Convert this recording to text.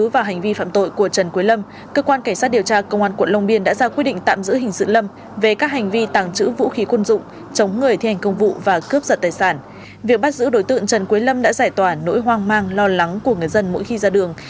việc bắt giữ đối tượng trần quế lâm đã giải tỏa nỗi hoang mang lo lắng của người dân mỗi khi ra đường